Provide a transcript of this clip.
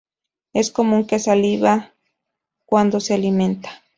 Es común que saliva cuando se alimenta.